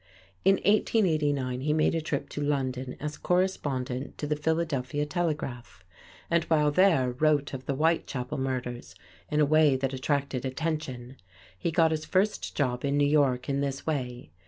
In 1889 he made a trip to London as correspondent to the Philadelphia Telegraph, and while there wrote of the Whitechapel murders in a way that attracted attention. He got his first job in New York in this way.